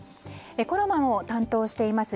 コロナも担当しています